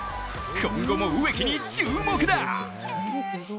今後も植木に注目だ。